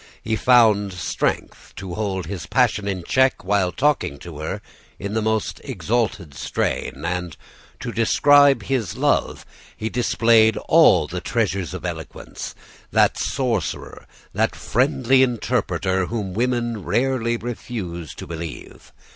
He found strength to hold his passion in check while talking to her in the most exalted strain; and, to describe his love, he displayed all the treasures of eloquence that sorcerer, that friendly interpreter, whom women rarely refuse to believe.